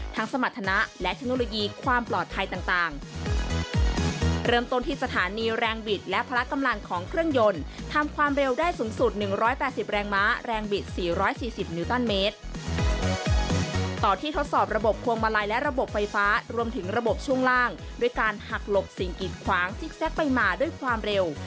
ต่อที่ทดสอบระบบควงมาลัยและระบบไฟฟ้ารวมถึงระบบช่วงล่างด้วยการหักหลบสิ่งกินขวางซิกแซกไปมาด้วยความเร็ว